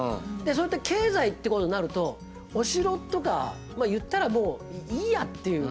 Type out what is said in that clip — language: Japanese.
そうやって経済ってことになるとお城とかまあ言ったらもういいやっていう。